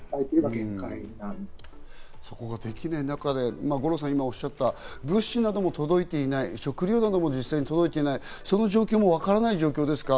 そこができない中で五郎さんが今おっしゃった物資なども届いていない、食料なども実際届いていない、その状況もわからない状況ですか？